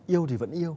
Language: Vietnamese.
yêu thì vẫn yêu